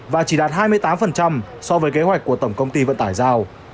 và chỉ đạt hai mươi tám so với kế hoạch của tổng công ty vận tải giao